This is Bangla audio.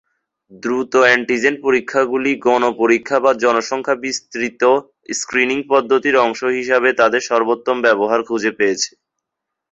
দ্রুত অ্যান্টিজেন পরীক্ষাগুলি গণ পরীক্ষা বা জনসংখ্যা বিস্তৃত স্ক্রিনিং পদ্ধতির অংশ হিসাবে তাদের সর্বোত্তম ব্যবহার খুঁজে পেয়েছে।